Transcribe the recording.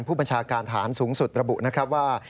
ผู้บัญชาการฐานสูงสุดระบุนะครับว่า